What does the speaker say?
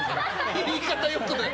言い方よくない。